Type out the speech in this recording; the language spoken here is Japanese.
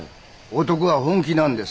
男は本気なんでさ。